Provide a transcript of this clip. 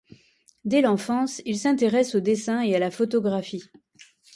Dès l'enfance, il s'intéresse au dessin et à la photographie.